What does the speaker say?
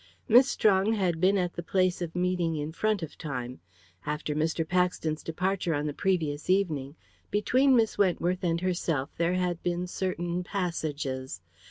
Miss Strong had been at the place of meeting in front of time. After Mr. Paxton's departure on the previous evening, between Miss Wentworth and herself there had been certain passages.